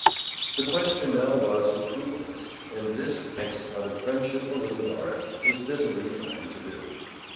The question now was to prove this, and this, Pancks, out of friendship for Little Dorrit, was busily trying to do.